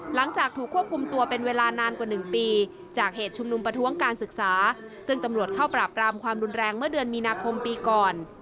หลังจากถูกควบคุมตัวเป็นเวลานานกว่า๑ปีจากเหตุชุมนุมประท้วงการศึกษาซึ่งตำรวจเข้าปราบรามความรุนแรงเมื่อเดือนมีนาคมปีก่อน